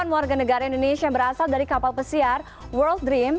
satu ratus delapan puluh delapan warga negara indonesia berasal dari kapal pesiar world dream